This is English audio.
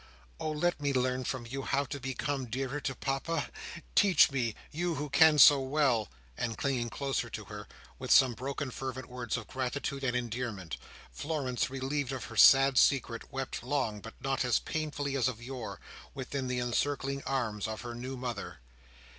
Oh, let me learn from you how to become dearer to Papa Teach me! you, who can so well!" and clinging closer to her, with some broken fervent words of gratitude and endearment, Florence, relieved of her sad secret, wept long, but not as painfully as of yore, within the encircling arms of her new mother.